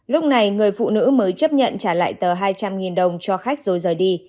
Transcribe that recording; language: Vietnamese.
lúc này người phụ nữ mới chấp nhận trả lại tờ hai trăm linh đồng cho khách rồi rời đi